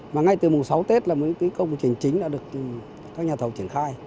mà ngay từ mùng sáu tết là một công trình chính đã được các nhà thầu triển khai